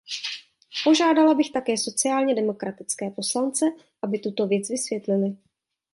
Požádala bych také sociálně demokratické poslance, aby tuto věc vysvětlili.